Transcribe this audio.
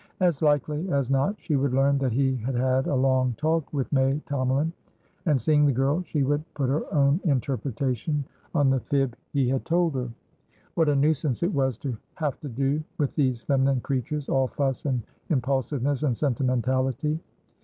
As likely as not she would learn that he had had a long talk with May Tomalin, and, seeing the girl, she would put her own interpretation on the fib he had told her. What a nuisance it was to have to do with these feminine creatures, all fuss and impulsiveness and sentimentality!